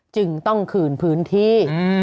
จึงต้องคืนพื้นที่